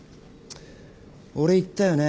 俺言ったよね。